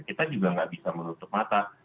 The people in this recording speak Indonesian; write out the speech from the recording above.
kita juga nggak bisa menutup mata